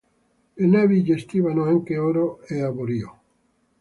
Le navi gestivano anche oro e avorio.